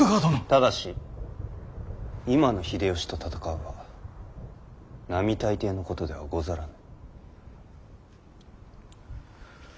ただし今の秀吉と戦うは並大抵のことではござらぬ。